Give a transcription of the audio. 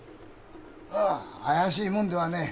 ああ怪しいもんではねえ。